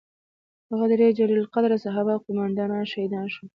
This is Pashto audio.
هغه درې جلیل القدره صحابه او قوماندانان شهیدان شول.